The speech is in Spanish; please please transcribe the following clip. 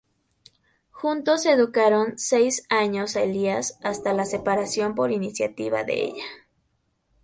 Juntos educaron durante seis años a Elías, hasta la separación por iniciativa de ella.